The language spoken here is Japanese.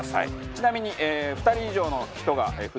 ちなみに。